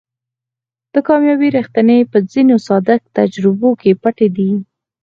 د کاميابۍ ريښې په ځينو ساده تجربو کې پټې دي.